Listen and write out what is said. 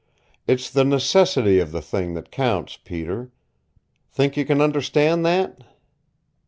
It's the necessity of the thing that counts, Peter. Think you can understand that?"